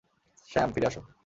Sam, ফিরে আসো!